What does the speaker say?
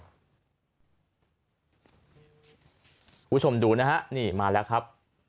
คุณผู้ชมดูนะฮะนี่มาแล้วครับ